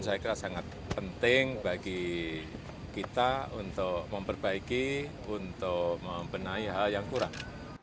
saya kira sangat penting bagi kita untuk memperbaiki untuk membenahi hal yang kurang